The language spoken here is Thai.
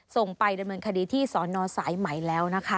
ส่งไปดำเนินคดีที่ศรนศสายไหมล่ะค่ะ